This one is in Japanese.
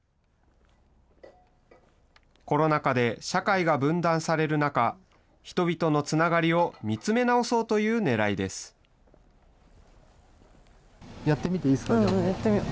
コロナ禍で社会が分断される中、人々のつながりを見つめ直そうとやってみていいですか。